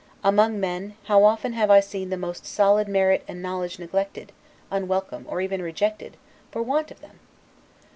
Among men, how often have I seen the most solid merit and knowledge neglected, unwelcome, or even rejected, for want of them!